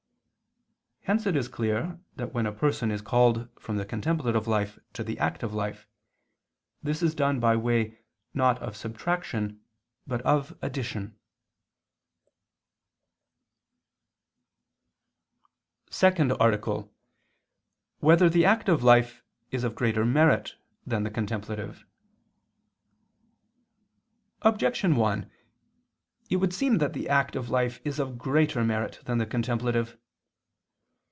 Hence it is clear that when a person is called from the contemplative life to the active life, this is done by way not of subtraction but of addition. _______________________ SECOND ARTICLE [II II, Q. 182, Art. 2] Whether the Active Life Is of Greater Merit Than the Contemplative? Objection 1: It would seem that the active life is of greater merit than the contemplative.